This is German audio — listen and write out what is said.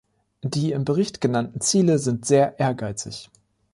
Die im Bericht genannten Ziele sind sehr ehrgeizig.